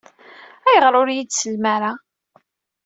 Ayɣer ur iyi-tsellem ara?